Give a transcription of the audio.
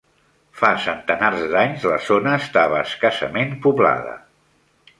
Fa centenars d'anys, la zona estava escassament poblada.